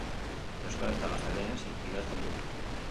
Euskaraz eta gaztelaniaz idazten du.